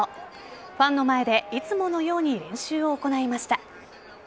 ファンの前で、いつものように練習を行いました。